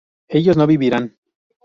ellos no vivirían